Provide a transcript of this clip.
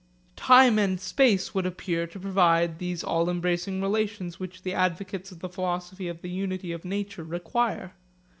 Time and space would appear to provide these all embracing relations which the advocates of the philosophy of the unity of nature require.